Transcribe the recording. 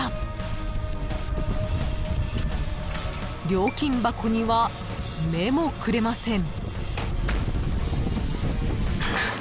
［料金箱には目もくれません］